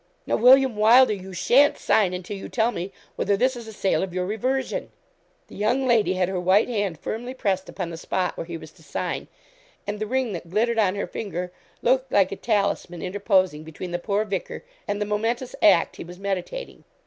'Now, William Wylder, you sha'n't sign until you tell me whether this is a sale of your reversion.' The young lady had her white hand firmly pressed upon the spot where he was to sign, and the ring that glittered on her finger looked like a talisman interposing between the poor vicar and the momentous act he was meditating.